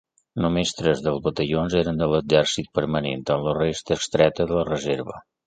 Només tres dels batallons eren de l'exèrcit permanent, amb la resta extreta de la reserva.